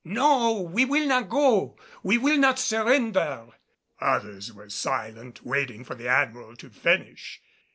"No, we will not go! We will not surrender!" Others were silent, waiting for the Admiral to finish.